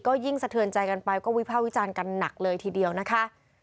ก็ยิ่งสะเทือนใจกันไปก็วิภาควิจารณ์กันหนักเลยทีเดียวนะคะ